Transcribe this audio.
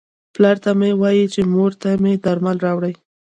پلار ته مې وایه چې مور ته مې درمل راوړي.